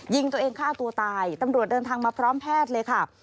ยิงตัวเองฆ่าตัวตายตำรวจเดินทางมาพร้อมแพทย์เลยค่ะ